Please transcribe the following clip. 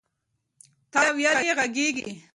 ته ویلې غږیږي؟